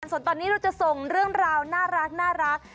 ส่วนตอนนี้เราจะส่งเรื่องราวน่ารัก